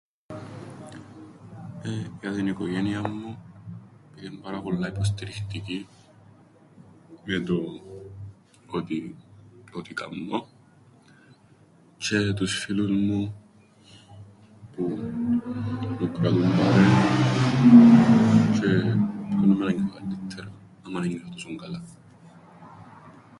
Για την οικογένειαν μου, γιατί εν' πάρα πολλά υποστηρικτικοί με το ό,τι κάμνω, τζ̆αι τους φίλους μου, που με κρατούν πάνω τζ̆αι που με κάμνουν να νιώθω καλλ΄υττερα άμαν εν νιώθω τόσον καλά.